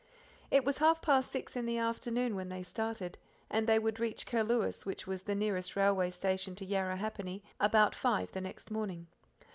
It was half past six in the afternoon when they started, and they would reach Curlewis, which was the nearest railway station to Yarrahappini, about five the next morning.